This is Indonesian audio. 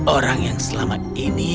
orang yang selamat ini